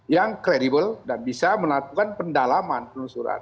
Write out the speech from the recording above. yang kredibel dan bisa melakukan pendalaman penelusuran